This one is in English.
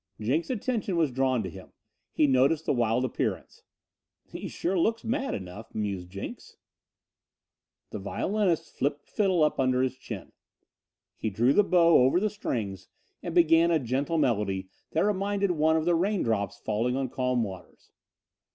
Jenks' attention was drawn to him. He noted his wild appearance. "He sure looks mad enough," mused Jenks. The violinist flipped the fiddle up under his chin. He drew the bow over the strings and began a gentle melody that reminded one of rain drops falling on calm waters.